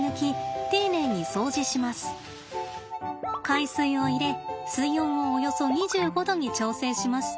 海水を入れ水温をおよそ２５℃に調整します。